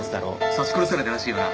刺し殺されたらしいよな。